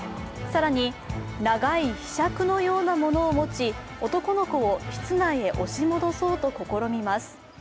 更に長いひしゃくのようなものを持ち男の子を室内へ押し戻そうと試みます。